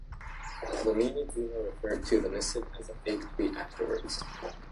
Dlamini-Zuma referred to the missive as a "fake tweet" afterwards.